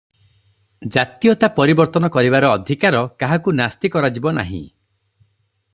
ଜାତୀୟତା ପରିବର୍ତ୍ତନ କରିବାର ଅଧିକାର କାହାକୁ ନାସ୍ତି କରାଯିବ ନାହିଁ ।